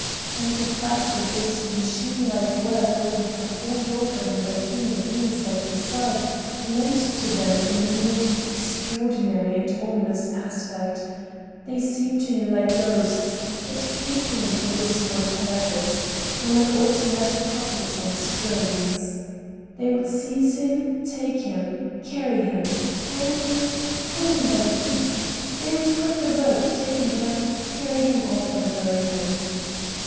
And the fact that this machine like work will be performed over him by human beings like himself, lent to them a new, extraordinary and ominous aspect—they seemed to him like ghosts that came to him for this one purpose, or like automatic puppets on springs. They would seize him, take him, carry him, hang him, pull him by the feet. They would cut the rope, take him down, carry him off and bury him.